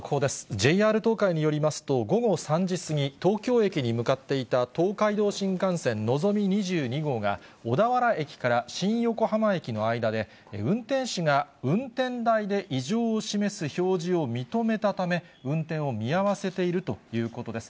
ＪＲ東海によりますと、午後３時過ぎ、東京駅に向かっていた東海道新幹線のぞみ２２号が、小田原駅から新横浜駅の間で、運転士が運転台で異常を示す表示を認めたため、運転を見合わせているということです。